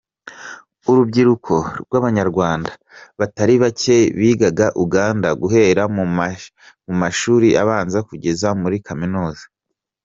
Urubyiruko rw’abanyarwanda batari bake bigaga Uganda guhera mu mashyuri abanza kugeza muri Kaminuza.